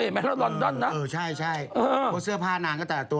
ใช่เพราะเสื้อผ้านางก็แต่ะตัว